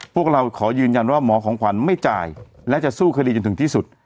พวกเราขอยืนยันว่าหมอของขวัญไม่จ่ายและจะสู้คดีจนถึงที่สุด